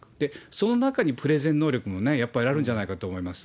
その中にプレゼン能力も、やっぱりあるんじゃないかと思います。